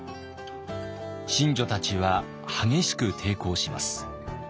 神女たちは激しく抵抗します。